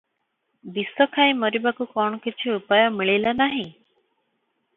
ବିଷଖାଇ ମରିବାକୁ କଣ କିଛି ଉପାୟ ମିଳିଲା ନାହିଁ?